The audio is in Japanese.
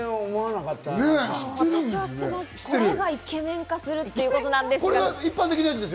これがイケメン化するということです。